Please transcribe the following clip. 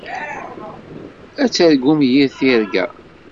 Ad targumt yir tirga.